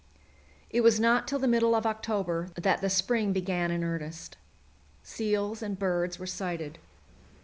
It was not till the middle of October that the spring began in earnest. Seals and birds were sighted.